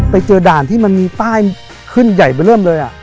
ไปเจอด่านที่มันมีป้ายขึ้นใหญ่ไปเริ่มเลย